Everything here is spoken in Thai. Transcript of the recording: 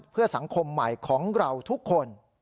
เพื่อสังคมใหม่ของเราทุกคน